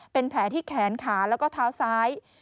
เป็นแผลที่แขนขาแล้วก็เท้าซ้าย